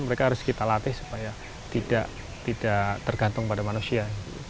mereka harus kita latih supaya tidak tergantung pada manusia